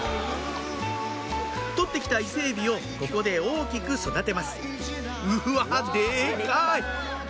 取ってきたイセエビをここで大きく育てますうわっでかい！